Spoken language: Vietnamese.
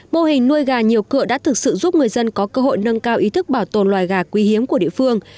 mô hình nuôi gà nhiều cựa đã thực sự giúp người dân có cơ hội nâng cao ý thức bảo tồn loài gà quý hiếm của địa phương